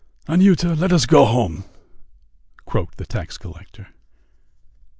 "Anyuta, let us go home," croaked the tax collector.